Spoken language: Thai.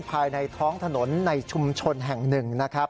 ภายในท้องถนนในชุมชนแห่งหนึ่งนะครับ